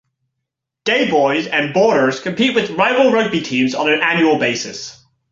Day Boys and Boarders compete with rival rugby teams on an annual basis.